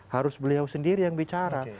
harus beliau sendiri yang bicara